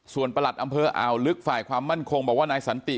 ส่วนประหลัดอำเภออ่าวลึกฝ่ายความมั่นคงบอกว่านายสันติ